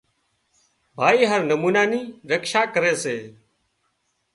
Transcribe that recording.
ڀائي هر نمونا نِي رکشا ڪري سي